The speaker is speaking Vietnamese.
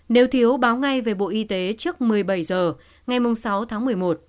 nếu thiếu báo ngay về bộ y tế trước một mươi bảy h ngày sáu tháng một mươi một